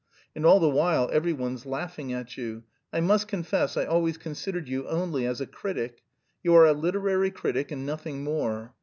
And all the while every one's laughing at you. I must confess I always considered you only as a critic. You are a literary critic and nothing more.